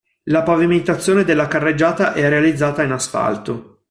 La pavimentazione della carreggiata è realizzata in asfalto.